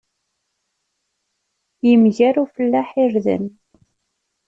Yemger ufellaḥ irden.